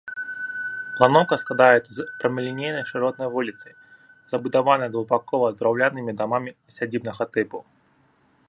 Планоўка складаецца з прамалінейнай шыротнай вуліцы, забудаванай двухбакова драўлянымі дамамі сядзібнага тыпу.